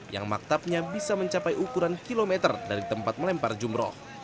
yang maktabnya bisa mencapai ukuran kilometer dari tempat melempar jumroh